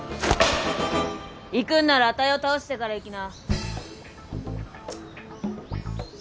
行くんならあたいを倒してから行きな。